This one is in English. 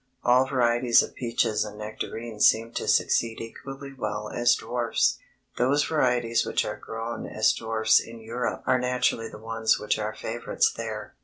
All varieties of peaches and nectarines seem to succeed equally well as dwarfs. Those varieties which are grown as dwarfs in Europe are naturally the ones which are favorites there.